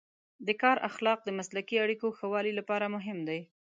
د کار اخلاق د مسلکي اړیکو ښه والي لپاره مهم دی.